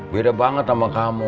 beda banget sama kamu